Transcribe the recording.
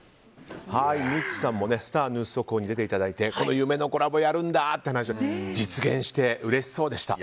ミッツさんもスター☆ニュース速報に出ていただいて夢のコラボやるんだって話して実現して、うれしそうでした。